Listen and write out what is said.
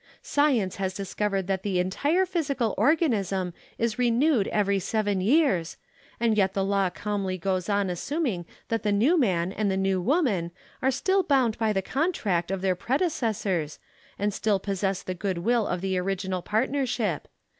Science has discovered that the entire physical organism is renewed every seven years, and yet the law calmly goes on assuming that the new man and the new woman are still bound by the contract of their predecessors and still possess the good will of the original partnership.